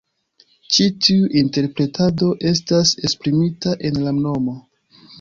Ĉi tiu interpretado estas esprimita en la nomo.